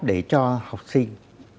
để cho học sinh